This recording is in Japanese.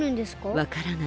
わからない。